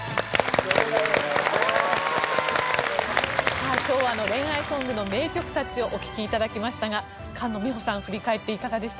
さあ昭和の恋愛ソングの名曲たちをお聴き頂きましたが菅野美穂さん振り返っていかがでした？